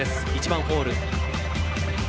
１番ホール。